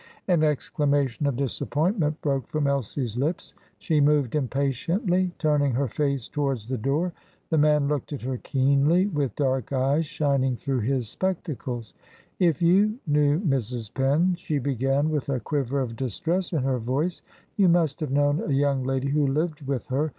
An exclamation of disappointment broke from Elsie's lips; she moved impatiently, turning her face towards the door. The man looked at her keenly, with dark eyes shining through his spectacles. "If you knew Mrs. Penn," she began, with a quiver of distress in her voice, "you must have known a young lady who lived with her.